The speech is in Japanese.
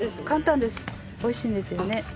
簡単ですおいしいですよね。